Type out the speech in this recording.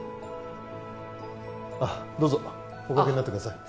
あどうぞおかけになってください